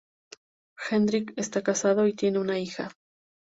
Hendrik está casado y tiene una hija.